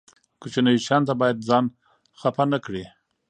کوچنیو شیانو ته باید ځان خپه نه کړي.